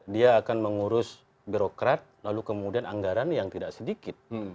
dia akan mengurus birokrat lalu kemudian anggaran yang tidak sedikit